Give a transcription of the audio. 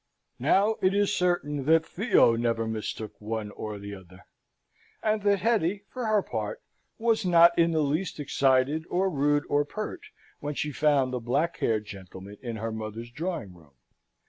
Now it is certain that Theo never mistook one or t'other; and that Hetty, for her part, was not in the least excited, or rude, or pert, when she found the black haired gentleman in her mother's drawing room.